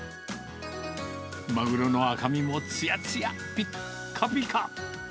マグロの赤身もつやつや、ぴっかぴか。